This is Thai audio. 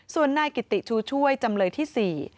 ส่วนนายกิติชูช่วยจำเลยที่๔